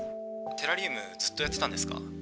テラリウムずっとやってたんですか？